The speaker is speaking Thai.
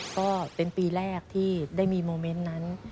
ก็เป็นปีแรกที่ได้มีโมเมนต์นั้น